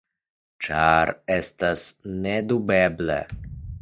Ĉar estas nedubeble.